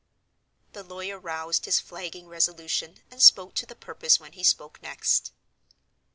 The lawyer roused his flagging resolution, and spoke to the purpose when he spoke next.